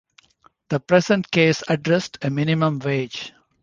The present case addressed a minimum wage.